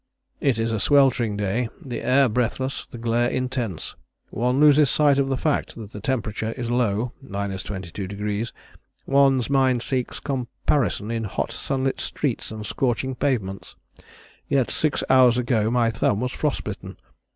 "It is a sweltering day, the air breathless, the glare intense one loses sight of the fact that the temperature is low [ 22°], one's mind seeks comparison in hot sunlit streets and scorching pavements, yet six hours ago my thumb was frost bitten.